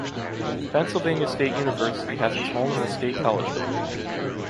Pennsylvania State University has its home in the State College Building.